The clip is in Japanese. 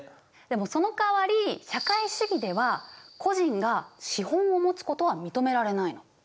でもそのかわり社会主義では個人が資本を持つことは認められない。